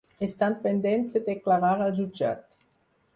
Estan pendents de declarar al jutjat.